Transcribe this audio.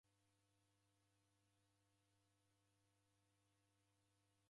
W'erekoghe w'andu w'echana maghembe.